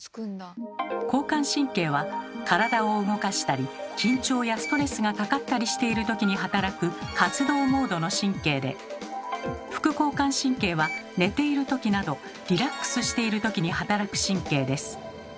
交感神経は体を動かしたり緊張やストレスがかかったりしているときに働く「活動モード」の神経で副交感神経は寝ているときなどリラックスしているときに働く神経です。